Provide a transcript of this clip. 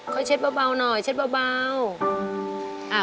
เช็ดเบาหน่อยเช็ดเบา